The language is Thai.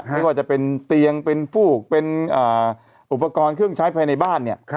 ไม่ว่าจะเป็นเตียงเป็นฟูกเป็นอุปกรณ์เครื่องใช้ภายในบ้านเนี่ย